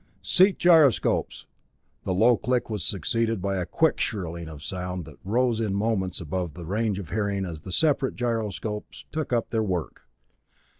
"Seat gyroscopes." The low click was succeeded by a quick shrilling sound that rose in moments above the range of hearing as the separate seat gyroscopes took up their work.